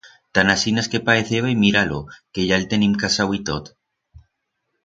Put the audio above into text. Tan asinas que paeceba y mira-lo, que ya el tenim casau y tot.